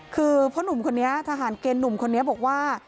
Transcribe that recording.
คือพ่อหนุ่มคนนี้ทหารเกณฑ์หนุ่มคนนี้บอกว่า